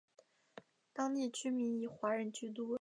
当地居民以华人居多。